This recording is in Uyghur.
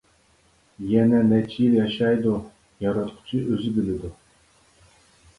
يەنە نەچچە يىل ياشايدۇ، ياراتقۇچى ئۆزى بىلىدۇ.